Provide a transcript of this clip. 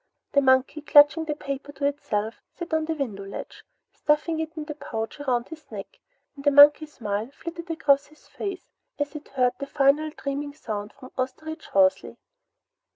The monkey, clutching the paper to itself, sat on the window ledge stuffing it into the pouch about its neck, and a monkey smile flitted across its face as it heard a final dreaming sound from Osterbridge Hawsey.